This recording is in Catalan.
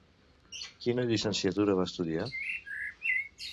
Quina llicenciatura va estudiar?